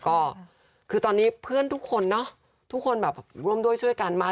ก็คือตอนนี้เพื่อนทุกคนเนอะทุกคนแบบร่วมด้วยช่วยกันมาก